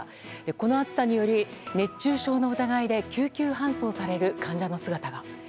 この暑さにより熱中症の疑いで救急搬送される患者の姿が。